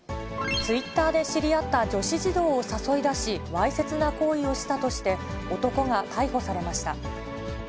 ツイッターで知り合った女子児童を誘い出し、わいせつな行為をしたとして、男が逮捕されました。